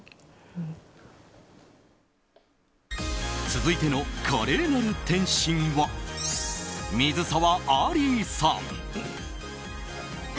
続いての華麗なる転身は水沢アリーさん。